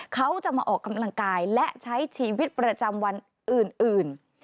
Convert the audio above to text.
เขาจะมาออกกำลังกายและใช้ชีวิตประจำวันอื่น